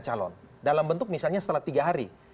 calon dalam bentuk misalnya setelah tiga hari